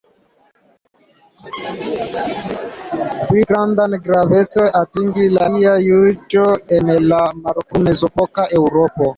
Pli grandan gravecon atingis la Dia juĝo en la malfru-mezepoka Eŭropo.